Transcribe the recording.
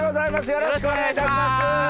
よろしくお願いします。